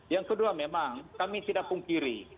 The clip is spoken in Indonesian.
yang kedua memang kami tidak pungkiri